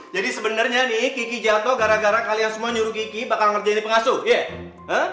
jadi sebenernya nih kiki jatuh gara gara kalian semua nyuruh kiki bakal ngerjain di pengasuh ya